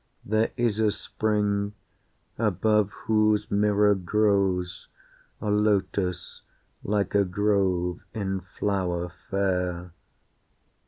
There is a spring, above whose mirror grows A lotus like a grove in flower fair.